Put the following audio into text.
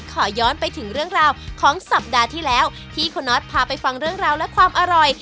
ขอย้อนไปถึงเรื่องราวของสัปดาห์ที่แล้วที่คุณน็อตพาไปฟังเรื่องราวและความอร่อย